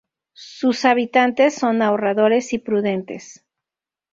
Sus habitantes son ahorradores y prudentes"".